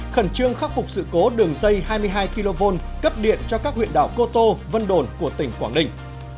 khẩn trương khắc phục sự cố đường dây hai mươi hai kv cấp điện cho các huyện đảo cô tô vân đồn của tỉnh quảng ninh